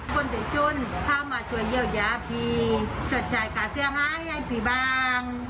คนเด็กชุนเข้ามาช่วยเยอะแยะพี่ชดชายการเสียหายให้พี่บ้าง